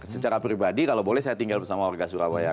secara pribadi kalau boleh saya tinggal bersama warga surabaya